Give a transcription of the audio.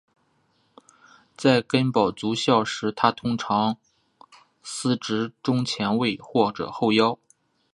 在根宝足校时他通常司职中前卫或者后腰。